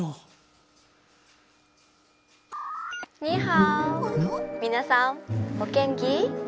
「みなさんお元気？」。